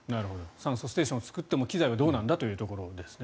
酸素ステーションを作っても機材はどうなんだというところですね。